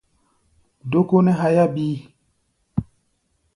Dókó nɛ́ háyá bíí.